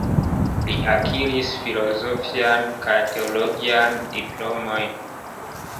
Li akiris filozofian kaj teologian diplomojn.